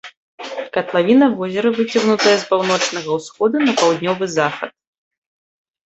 Катлавіна возера выцягнутая з паўночнага ўсходу на паўднёвы захад.